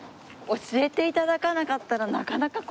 教えて頂かなかったらなかなかここ。